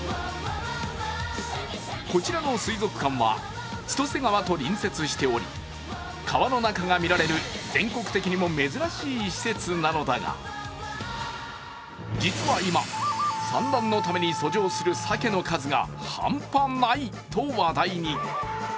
こちらの水族館は千歳川と隣接しており、川の中が見られる全国的にも珍しい施設なのだが実は今、産卵のために遡上する鮭の数が半端ないと話題に。